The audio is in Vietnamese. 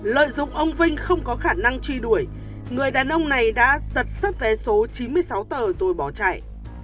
lợi dụng ông vinh không có khả năng truy đuổi người đàn ông này đã giật xếp vé số chín mươi sáu tờ rồi bỏ chạy